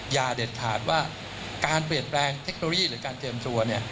อย่าเด็ดขาดว่าการเปลี่ยนแปลงเทคโนโลยีหรือการเตรียมตัว